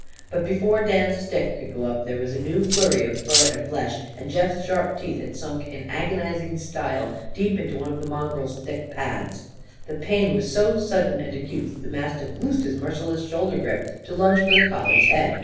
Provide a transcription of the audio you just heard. But before Dan's stick could go up there was a new flurry of fur and flesh, and Jeff's sharp teeth had sunk in agonising style deep into one of the mongrel's thick pads. The pain was so sudden and acute that the mastiff loosed his merciless shoulder grip, to lunge for the collie's head.